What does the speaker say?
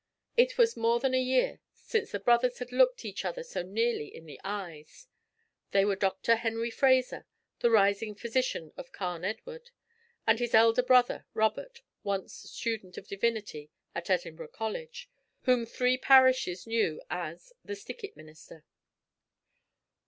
It was more than a year since the brothers had looked each other so nearly in the eyes. They were Dr. Henry Fraser, the rising physician of Carn Edward, and his elder brother Robert, once Student of Divinity at Edinburgh College, whom three parishes knew as 'The Stickit Minister.'